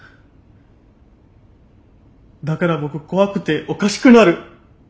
だから僕怖くておかしくなる！